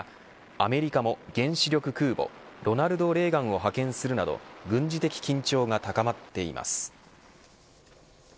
アメリカも原子力空母ロナルド・レーガンを派遣するなど軍事的緊張が高まっています。